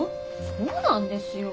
そうなんですよ。